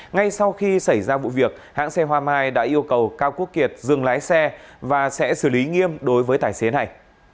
ngay sau khi xảy ra vụ việc hãng xe hoa mai đã yêu cầu cao quốc kiệt dừng lái xe và sẽ xử lý nghiêm đối với tài xế này